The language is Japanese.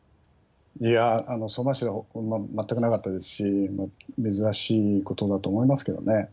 いや、相馬市では全くなかったですし、珍しいことだと思いますけどね。